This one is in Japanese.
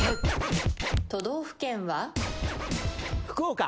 都道府県は？福岡。